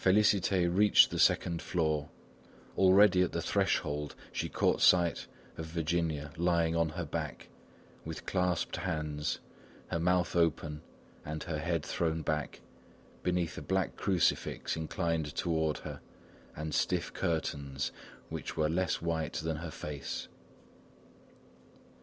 Félicité reached the second floor. Already at the threshold, she caught sight of Virginia lying on her back, with clasped hands, her mouth open and her head thrown back, beneath a black crucifix inclined toward her, and stiff curtains which were less white than her face.